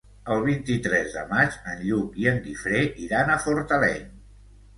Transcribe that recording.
El vint-i-tres de maig en Lluc i en Guifré iran a Fortaleny.